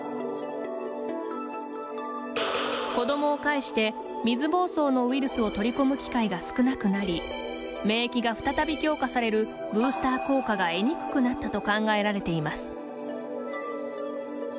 子どもを介して水ぼうそうのウイルスを取り込む機会が少なくなり免疫が再び強化されるブースター効果が得にくくなったと考えられています。